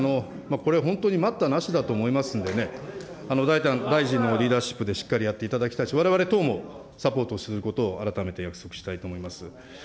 これ、本当に待ったなしだと思いますんでね、大臣のリーダーシップでしっかりやっていただきたいし、われわれとうもサポートすることを改めて約束したいと思います。